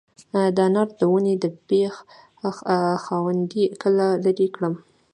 د انارو د ونې د بیخ خاوندې کله لرې کړم؟